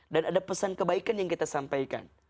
dan ada pesan kebaikan yang kita sampaikan